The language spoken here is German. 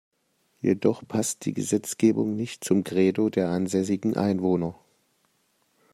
Jedoch passt die Gesetzgebung nicht zum Credo der ansässigen Einwohner.